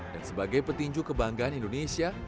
dan sebagai petinju kebanggaan indonesia